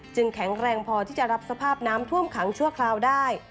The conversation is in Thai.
แข็งแรงพอที่จะรับสภาพน้ำท่วมขังชั่วคราวได้